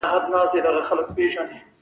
طاعون د فیوډالېزم په زوال تمام شو.